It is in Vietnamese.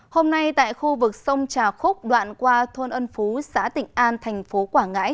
hôm nay tại khu vực sông trà khúc đoạn qua thôn ân phú xã tỉnh an thành phố quảng ngãi